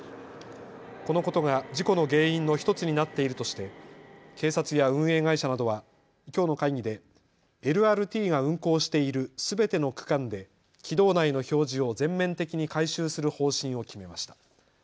このことが事故の原因の１つになっているとして警察や運営会社などはきょうの会議でＬＲＴが運行しているすべての区間で軌道内の表示を全面的に改修する方針を決めました。